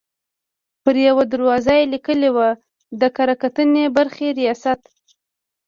پر یوه دروازه یې لیکلي وو: د کره کتنې برخې ریاست.